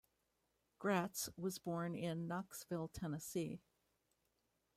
Gratz was born in Knoxville, Tennessee.